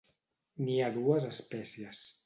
N'hi ha dues espècies.